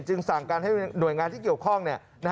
สั่งการให้หน่วยงานที่เกี่ยวข้อง